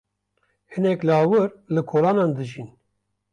Hinek lawir li kolanan dijîn.